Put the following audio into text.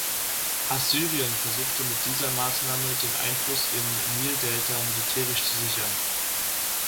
Assyrien versuchte mit dieser Maßnahme, den Einfluss im Nildelta militärisch zu sichern.